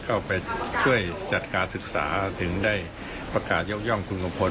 เข้าไปช่วยจัดการศึกษาถึงได้ประกาศยกย่องคุณลุงพล